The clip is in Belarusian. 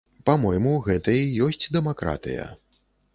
Па-мойму, гэта і ёсць дэмакратыя.